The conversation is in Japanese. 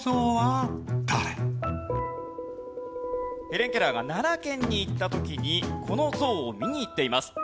ヘレン・ケラーが奈良県に行った時にこの像を見に行っています。